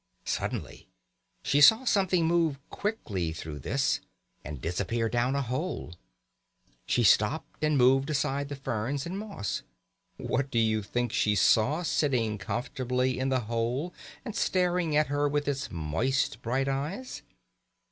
Suddenly she saw something move quickly through this, and disappear down a hole. She stopped and moved aside the ferns and moss. What do you think she saw sitting comfortably in the hole and staring at her with its moist bright eyes?